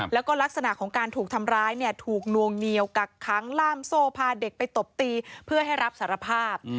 แล้วก็ลักษณะของการถูกทำร้ายเนี่ยถูกนวงเหนียวกักค้างล่ามโซ่พาเด็กไปตบตีเพื่อให้รับสารภาพ